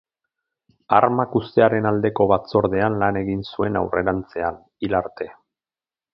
Armak uztearen aldeko batzordean lan egin zuen aurrerantzean, hil arte.